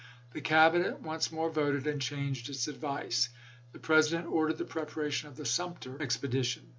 The Cabinet once more voted, and changed its advice. The President ordered the preparation of the Sumter expedition.